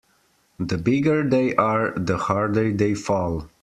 The bigger they are the harder they fall.